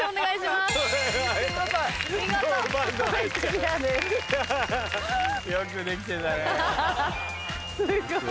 すごい。